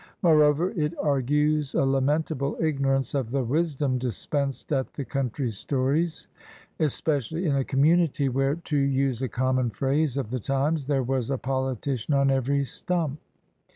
More over it argues a lamentable ignorance of the wis dom dispensed at the country stories, especially in a community where, to use a common phrase of the times, "There was a politician on every stump."